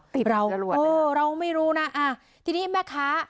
ติดจรวดนะครับเราไม่รู้นะอ่ะทีนี้แม่ค้า